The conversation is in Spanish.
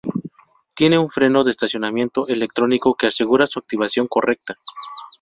Tiene un freno de estacionamiento electrónico que asegura su activación correcta.